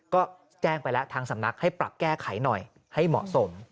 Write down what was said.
ก็แจ้งไปแล้วทางสำนักให้ปรับแก้ไขหน่อยให้เหมาะสม